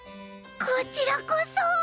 こちらこそ！